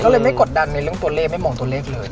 ก็เลยไม่กดดันในเรื่องตัวเลขไม่มองตัวเลขเลย